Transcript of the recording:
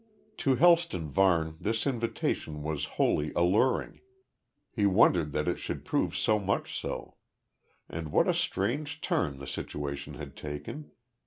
To Helston Varne this invitation was wholly alluring he wondered that it should prove so much so. And what a strange turn the situation had taken.